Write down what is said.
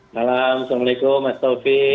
malam assalamualaikum mas taufik